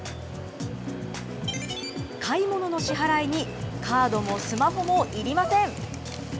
買い物の支払いにカードもスマホもいりません。